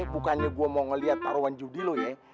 bukannya gua mau liat taroan judi lu ya